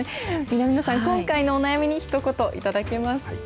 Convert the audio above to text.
南野さん、今回のお悩みにひと言、頂けますか。